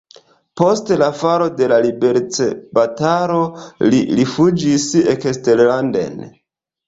Post la falo de la liberecbatalo li rifuĝis eksterlanden.